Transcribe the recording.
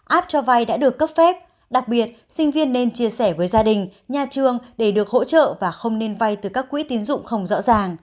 app cho vay đã được cấp phép đặc biệt sinh viên nên chia sẻ với gia đình nhà trường để được hỗ trợ và không nên vay từ các quỹ tín dụng không rõ ràng